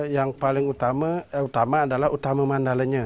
yang paling utama adalah utama mandalanya